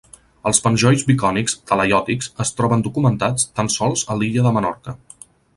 Els penjolls bicònics talaiòtics es troben documentats tan sols a l'illa de Menorca.